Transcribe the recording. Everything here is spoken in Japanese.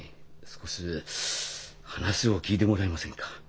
少し話を聞いてもらえませんか？